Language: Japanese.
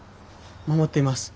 守っています。